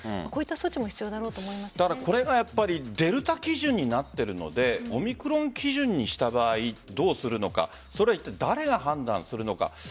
こういった措置も必要だとこれがデルタ基準になっているのでオミクロン基準にした場合どうするのかそれはいったい誰が判断するのか。